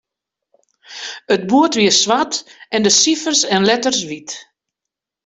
It boerd wie swart en de sifers en letters wyt.